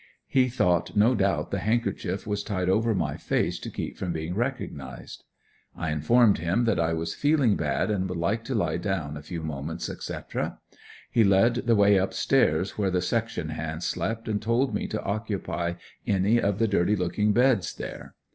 He thought no doubt the handkerchief was tied over my face to keep from being recognized. I informed him that I was feeling bad and would like to lie down a few moments, etc. He led the way up stairs where the section hands slept and told me to occupy any of the dirty looking beds there.